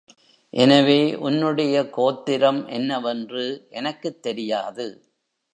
எனவே உன்னுடைய கோத்திரம் என்னவென்று எனக்குத் தெரியாது.